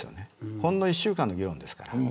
ほんの１週間の議論ですから。